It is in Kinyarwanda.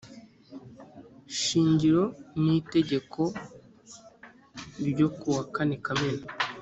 shingiron itegekon ryo kuwa kane kamena